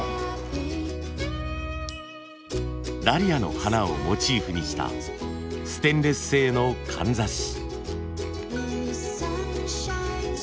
ダリアの花をモチーフにしたステンレス製のかんざし。